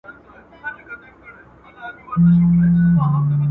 آیا د هوسۍ سترګي د بوزې تر سترګو ښکلي دي؟